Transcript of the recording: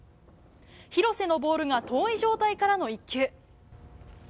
廣瀬のボールが遠い状態からの１球。